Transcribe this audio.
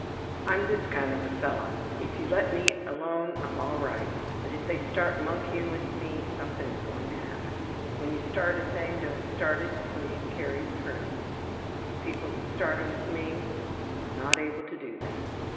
``I'm this kind of a fellow. If they let me alone I'm all right, but if they start monkeying with me something is going to happen. When you start a thing don't start it until you can carry it through. These people that started with me were not able to do that.''